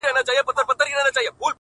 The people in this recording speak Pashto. وضعیت مې خراب شو